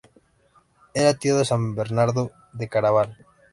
Era tío de San Bernardo de Claraval.